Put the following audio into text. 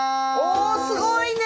おすごいね。